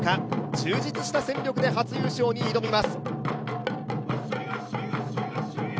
充実した戦力で初優勝に挑みます。